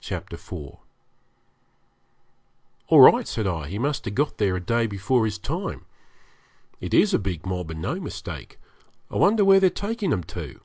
Chapter 4 'All right,' said I, 'he must have got there a day before his time. It is a big mob and no mistake. I wonder where they're taking them to.'